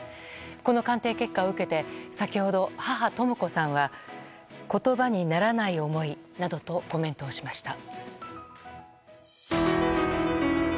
この鑑定結果を受けて先ほど母・とも子さんは言葉にならない思いなどとコメントしました。